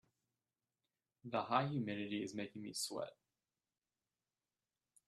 The high humidity is making me sweat.